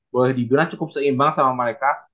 boleh di guna cukup seimbang sama mereka